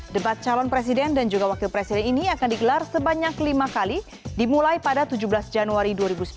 debat calon presiden dan juga wakil presiden ini akan digelar sebanyak lima kali dimulai pada tujuh belas januari dua ribu sembilan belas